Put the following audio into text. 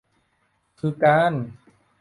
คือการ